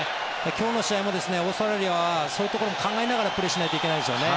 今日の試合もオーストラリアはそういうところも考えながらプレーしないといけないでしょうね。